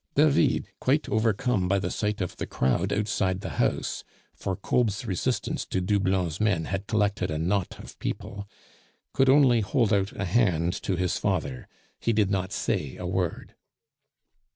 David, quite overcome by the sight of the crowd outside the house (for Kolb's resistance to Doublon's men had collected a knot of people), could only hold out a hand to his father; he did not say a word.